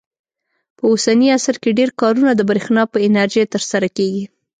په اوسني عصر کې ډېر کارونه د برېښنا په انرژۍ ترسره کېږي.